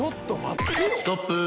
ストップ。